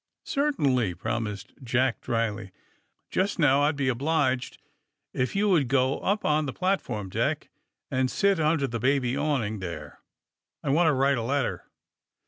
^^ Certainly," promised Jack dryly. '^Just now, I'd be obliged if you would go up on the platform deck and sit under the baby awning there. I want to write a letter.